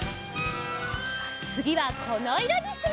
つぎはこのいろにしましょう。